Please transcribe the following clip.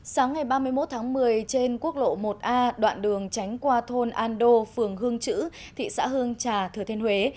sáng ngày ba mươi một tháng một mươi trên quốc lộ một a đoạn đường tránh qua thôn an đô phường hương chữ thị xã hương trà thừa thiên huế